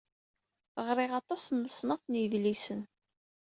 Ɣriɣ aṭas n leṣnaf n yedlisen.